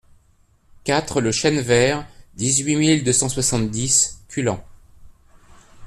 quatre le Chêne Vert, dix-huit mille deux cent soixante-dix Culan